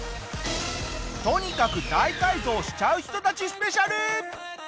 とにかく大改造しちゃう人たちスペシャル！